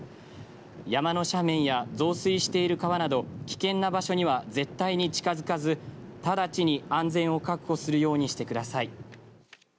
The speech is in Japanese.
山の斜面や増水している川など危険な場所には、絶対に近づかず直ちに安全を確保するようにしてください。